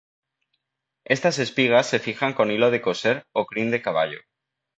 Estas espigas se fijan con hilo de coser o crin de caballo.